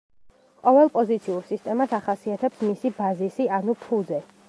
ყოველ პოზიციურ სისტემას ახასიათებს მისი ბაზისი ანუ ფუძე.